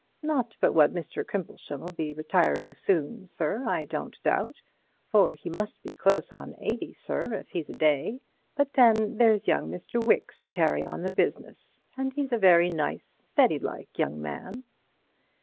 Not but what Mr. Crimplesham'll be retiring soon, sir, I don't doubt, for he must be close on eighty, sir, if he's a day, but then there's young Mr. Wicks to carry on the business, and he's a very nice, steady like young gentleman."